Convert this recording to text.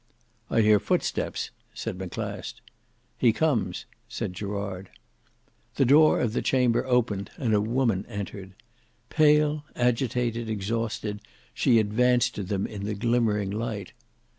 "I hear foot steps," said Maclast. "He comes," said Gerard. The door of the chamber opened and a woman entered. Pale, agitated, exhausted, she advanced to them in the glimmering light.